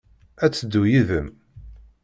Ad teddu yid-m?